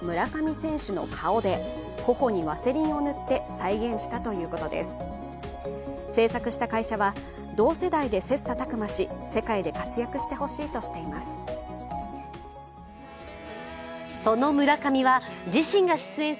制作した会社は同世代で切磋琢磨し、世界で活躍してほしいとしています。